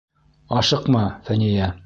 Ашыҡма, Фәниә!